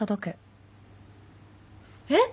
えっ！？